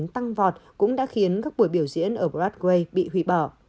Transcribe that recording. tăng vọt cũng đã khiến các buổi biểu diễn ở bradway bị hủy bỏ